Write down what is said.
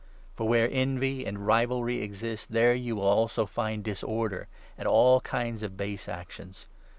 For, where envy and rivalry 16 exist, there you will also find disorder and all kinds of base actions.